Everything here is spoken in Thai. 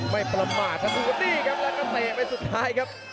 ไม่ประมาทครับสู้ดีครับแล้วก็เตะไปสุดท้ายครับ